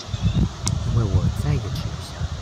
因為我也吃不下了